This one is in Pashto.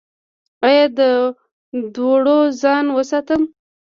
ایا له دوړو ځان وساتم؟